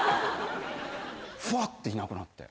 フワッていなくなって。